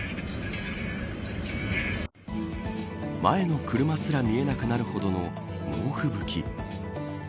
前の車すら見えなくなるほどの猛吹雪。